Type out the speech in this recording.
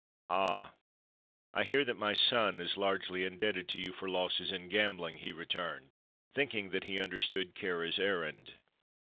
"Ah, I hear that my son is largely indebted to you for losses in gambling," he returned, thinking that he understood Kāra's errand.